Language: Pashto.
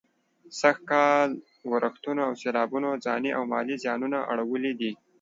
سږ کال ورښتونو او سېلابونو ځاني او مالي زيانونه اړولي دي.